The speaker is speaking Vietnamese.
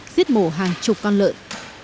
giết mổ hàng chục con lợn